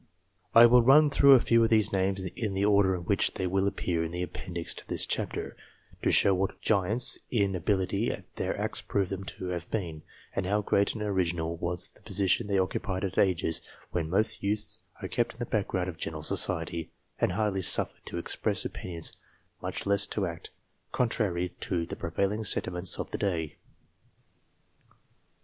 I will run through a few of these names in the order in which they will appear in the appendix to this chapter, to show what giants in ability their acts prove them to have been, and how great and original was the position they occupied at ages when most youths are kept in the back ground of general society, and hardly suffered to express opinions, much less to act, contrary to the prevailing sentiments of the day.